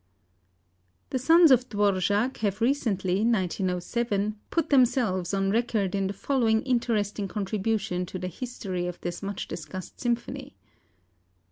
The sons of Dvořák have recently (1907) put themselves on record in the following interesting contribution to the history of this much discussed symphony